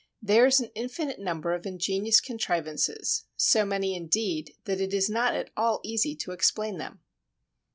There is an infinite number of ingenious contrivances, so many indeed that it is not at all easy to explain them.